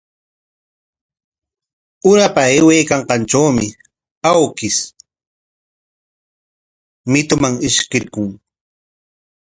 Urapa aywaykanqantrawmi awkish mituman ishkirqun.